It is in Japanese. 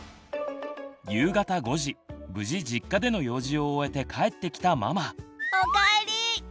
夕方５時無事実家での用事を終えて帰ってきたママ。